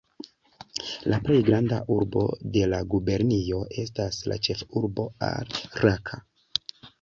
La plej granda urbo de la gubernio estas la ĉefurbo Ar-Raka.